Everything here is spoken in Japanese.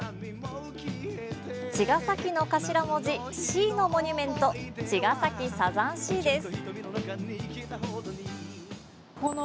茅ヶ崎の頭文字Ｃのモニュメント茅ヶ崎サザンＣです。